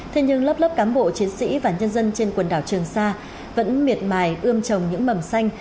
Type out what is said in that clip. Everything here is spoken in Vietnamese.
thế nhưng lớp lớp cán bộ chiến sĩ và nhân dân trên quần đảo trường sa vẫn miệt mài ươm trồng những mầm xanh